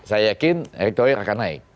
saya yakin erick thohir akan naik